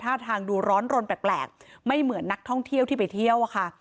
ท่าทางดูร้อนรนแปลกไม่เหมือนนักท่องเที่ยวที่ไปเที่ยวอะค่ะ